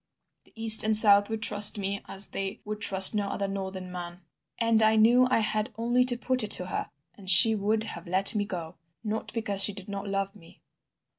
The east and south would trust me as they would trust no other northern man. And I knew I had only to put it to her and she would have let me go .... Not because she did not love me!